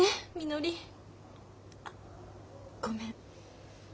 あごめん。